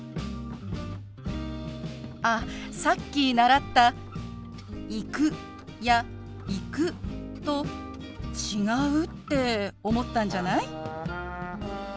あっさっき習った「行く」や「行く」と違うって思ったんじゃない？